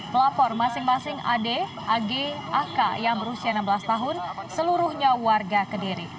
pelapor masing masing ad ag ak yang berusia enam belas tahun seluruhnya warga kediri